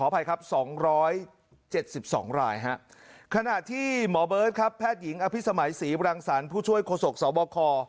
เปิดครับแพทย์หญิงอภิสมัยศรีวรังศัลผู้ช่วยโคศกสวบค